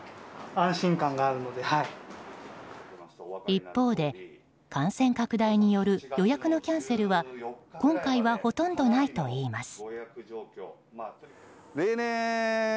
一方で感染拡大による予約のキャンセルは今回はほとんどないといいます。